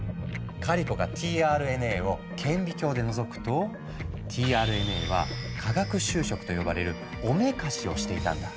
カリコがｔＲＮＡを顕微鏡でのぞくとｔＲＮＡは化学修飾と呼ばれるおめかしをしていたんだ。